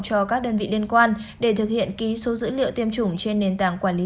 cho các đơn vị liên quan để thực hiện ký số dữ liệu tiêm chủng trên nền tảng quản lý